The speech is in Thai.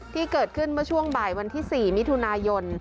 ที่เกิดขึ้นเมื่อช่วงบ่ายวันที่๔มิถุนายน